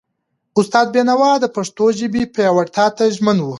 استاد بینوا د پښتو ژبې پیاوړتیا ته ژمن و.